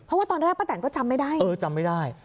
เพราะว่าตอนแรกป้าแต่งก็จำไม่ได้